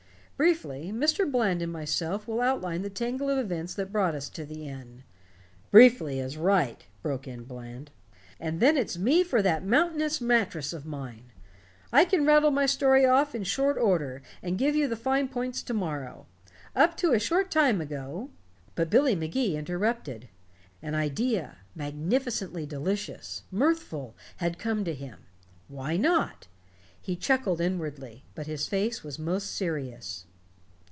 Briefly, Mr. Bland and myself will outline the tangle of events that brought us to the inn " "Briefly is right," broke in Bland. "And then it's me for that mountainous mattress of mine. I can rattle my story off in short order, and give you the fine points to morrow. Up to a short time ago " But Billy Magee interrupted. An idea, magnificent delicious, mirthful, had come to him. Why not? He chuckled inwardly, but his face was most serious.